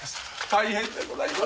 大変でございます。